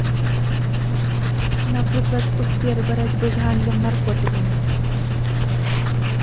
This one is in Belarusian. Напрыклад, у сферы барацьбы з гандлем наркотыкамі.